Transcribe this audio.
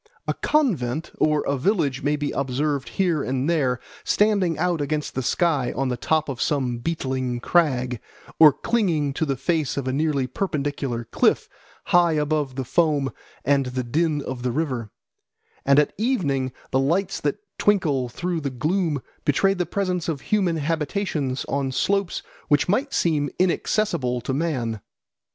A convent or a village may be observed here and there standing out against the sky on the top of some beetling crag, or clinging to the face of a nearly perpendicular cliff high above the foam and the din of the river; and at evening the lights that twinkle through the gloom betray the presence of human habitations on slopes which might seem inaccessible to man.